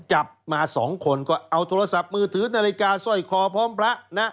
จับมาสองคนก็เอาโทรศัพท์มือถือนาฬิกาสร้อยคอพร้อมพระนะ